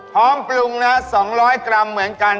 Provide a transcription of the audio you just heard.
พร้อมปรุงนะฮะ๒๐๐กรัมเหมือนกัน